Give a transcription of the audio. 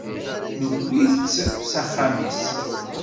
Tewwiḍ-tt s axxam-is?